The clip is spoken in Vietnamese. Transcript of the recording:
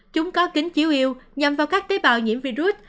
chúng có kính chiếu yêu nhằm vào các tế bào nhiễm virus